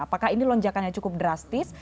apakah ini lonjakannya cukup drastis